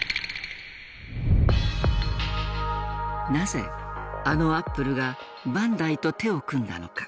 なぜあのアップルがバンダイと手を組んだのか。